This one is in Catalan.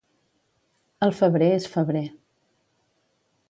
El febrer és febrer.